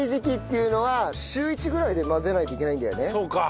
そうか。